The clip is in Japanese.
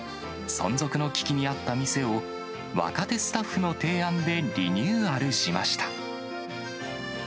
存続の危機にあった店を、若手スタッフの提案でリニューアルしま